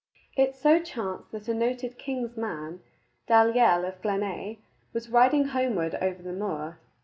It so chanced that a noted king's man, Dalyell of Glenć, was riding homeward over the moor.